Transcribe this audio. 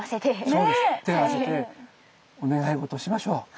そうです手を合わせてお願いごとをしましょう。